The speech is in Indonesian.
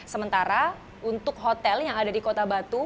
sementara untuk hotel yang ada di kota batu